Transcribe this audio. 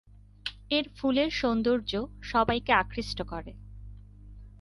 এর ফুলের সৌন্দর্য সবাইকে আকৃষ্ট করে।